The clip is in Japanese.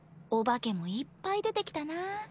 お化けもいっぱい出てきたなぁ。